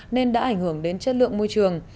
nên đã ảnh hưởng đến chất lượng môi trường